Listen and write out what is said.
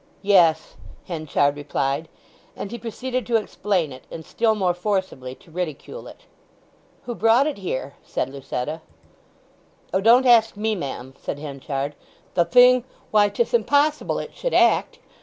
"Yes," Henchard replied; and he proceeded to explain it, and still more forcibly to ridicule it. "Who brought it here?" said Lucetta. "Oh, don't ask me, ma'am!" said Henchard. "The thing—why 'tis impossible it should act.